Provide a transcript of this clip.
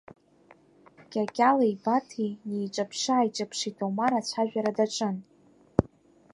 Кьакьалеи Баҭеи неиҿаԥшы-ааиҿаԥшит, Омар ацәажәара даҿын.